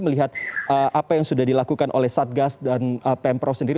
melihat apa yang sudah dilakukan oleh satgas dan pemprov sendiri